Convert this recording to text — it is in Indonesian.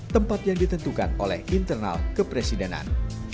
tempat yang ditentukan oleh internal kepresidenan